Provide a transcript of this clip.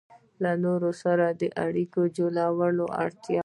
-له نورو سره د اړیکو جوړولو وړتیا